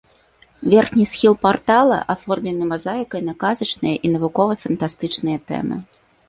Верхні схіл партала аформлены мазаікай на казачныя і навукова-фантастычныя тэмы.